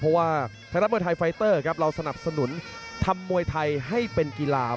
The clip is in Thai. เพราะว่าไทยรัฐมวยไทยไฟเตอร์ครับเราสนับสนุนทำมวยไทยให้เป็นกีฬา